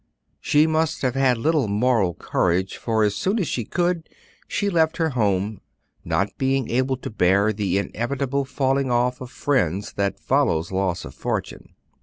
She must have had little moral courage, for as soon as she could, she left her home, not being able to bear the inevitable falling off of friends that follows loss of fortune.